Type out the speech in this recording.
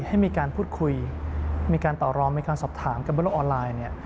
ให้มีการพูดคุยมีการต่อรองมีการสอบถามกันบนโลกออนไลน์